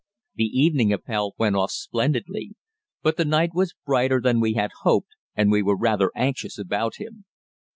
The evening Appell went off splendidly, but the night was brighter than we had hoped, and we were rather anxious about him.